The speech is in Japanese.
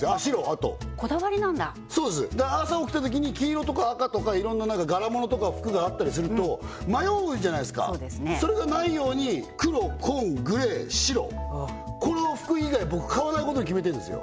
あとこだわりなんだそうですだから朝起きたときに黄色とか赤とかいろんな柄物とか服があったりすると迷うじゃないすかそれがないように黒紺グレー白この服以外僕買わないことに決めてんですよ